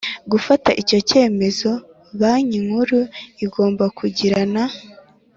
gufata icyo cyemezo Banki Nkuru igomba kugirana